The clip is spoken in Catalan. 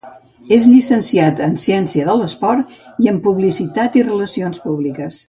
És llicenciat en Ciència de l'Esport i en Publicitat i Relacions públiques.